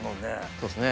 そうですね。